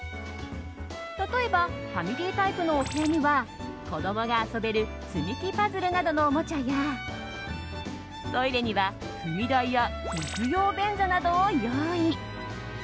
例えばファミリータイプのお部屋には子供が遊べる積み木パズルなどのおもちゃやトイレには踏み台やキッズ用便座などを用意。